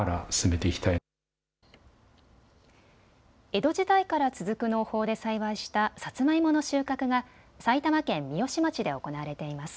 江戸時代から続く農法で栽培したさつまいもの収穫が埼玉県三芳町で行われています。